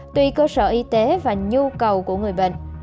tùy cơ sở y tế và nhu cầu của người bệnh